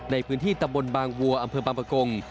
ในพื้นที่ตำบลบางวัวอำเภอบางประกง